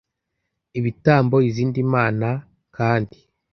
ibitambo izindi mana h kandi